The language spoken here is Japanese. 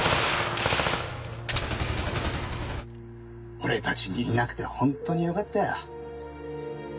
俺たちに似なくてホントによかったよ。